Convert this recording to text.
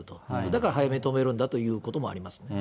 だから早めに止めるんだということもありますね。